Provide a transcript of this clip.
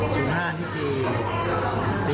ชุดละ๕ใบนะครับ